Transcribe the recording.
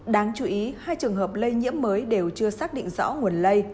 đáng chú ý hai trường hợp lây nhiễm mới đều chưa xác định rõ nguồn lây